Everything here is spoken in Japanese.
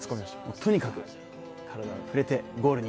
とにかく体を触れてゴールに。